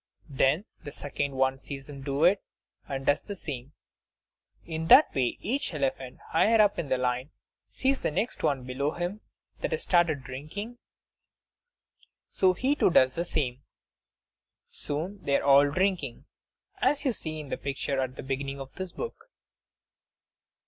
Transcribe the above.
Then the second one sees him do it, and does the same; in that way each elephant higher up the line sees that the next one below him has started drinking, so he too does the same. Soon they are all drinking, as you see in the picture at the beginning of this book.